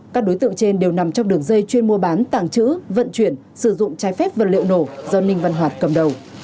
các đối tượng trên đều nằm trong đường dây chuyên mua bán tàng trữ vận chuyển sử dụng trái phép vật liệu nổ do ninh văn hoạt cầm đầu